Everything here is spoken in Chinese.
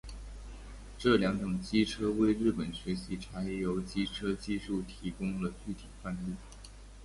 这两种机车为日本学习柴油机车技术提供了具体范例。